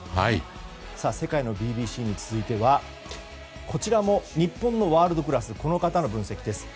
世界のＢＢＣに続いてはこちらも日本のワールドクラスこの方の分析です